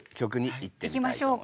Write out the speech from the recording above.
いきましょうか。